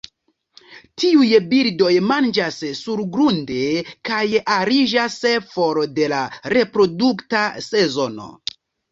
Tiuj birdoj manĝas surgrunde, kaj ariĝas for de la reprodukta sezono.